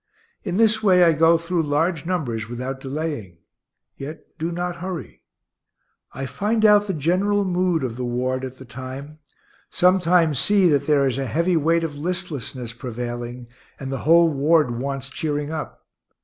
In this way I go through large numbers without delaying, yet do not hurry. I find out the general mood of the ward at the time; sometimes see that there is a heavy weight of listlessness prevailing, and the whole ward wants cheering up.